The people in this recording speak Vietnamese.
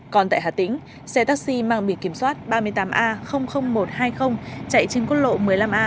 còn tại hà tĩnh xe taxi mang bị kiểm soát ba mươi tám a một trăm hai mươi chạy trên quốc lộ một mươi năm a